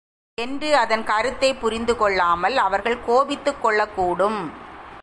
என்று அதன் கருத்தைப் புரிந்துகொள்ளாமல் அவர்கள் கோபித்துக் கொள்ளக் கூடும்.